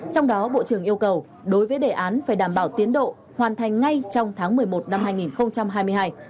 trong đó bộ trưởng yêu cầu đối với đề án phải đảm bảo tiến độ hoàn thành ngay trong tháng một mươi một năm hai nghìn hai mươi hai